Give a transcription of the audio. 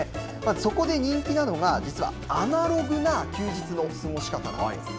そこで人気なのが、実はアナログな休日の過ごし方なんです。